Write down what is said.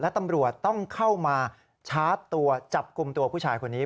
และตำรวจต้องเข้ามาชาร์จตัวจับกลุ่มตัวผู้ชายคนนี้